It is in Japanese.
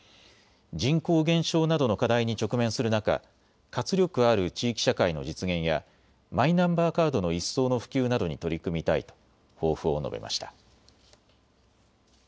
人口減少などの課題に直面する中、活力ある地域社会の実現やマイナンバーカードの一層の普及などに取り組みたいと抱負を述べました。